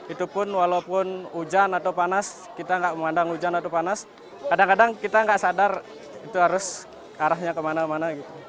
itu pun walaupun hujan atau panas kita nggak memandang hujan atau panas kadang kadang kita nggak sadar itu harus arahnya kemana mana